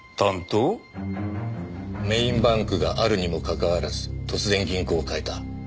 メーンバンクがあるにもかかわらず突然銀行を変えた。